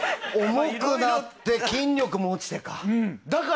重くなって筋力も落ちてか。